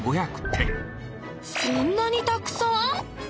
そんなにたくさん！